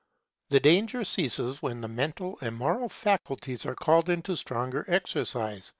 The danger ceases when the mental and moral faculties are called into stronger exercise.